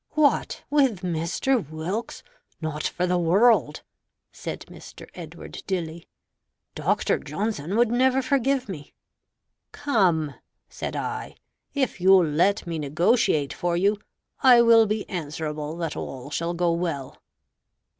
"What, with Mr. Wilkes? not for the world" (said Mr. Edward Dilly): "Dr. Johnson would never forgive me." "Come" (said I), "if you'll let me negotiate for you, I will be answerable that all shall go well."